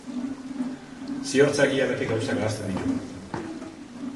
Ziortzak ia beti gauzak ahazten ditu.